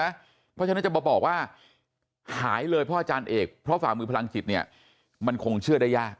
เพราะฉะนั้นจะมาบอกว่าหายเลยเพราะอาจารย์เอกเพราะฝ่ามือพลังจิตเนี่ยมันคงเชื่อได้ยาก